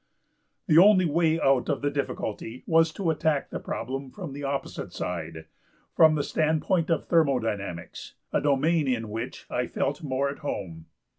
The only way out of the difficulty was to attack the problem from the opposite side, from the standpoint of thermodynamics, a domain in which I felt more at home.